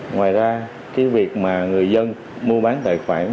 ngoài ra cái việc mà người dân mua bán tài khoản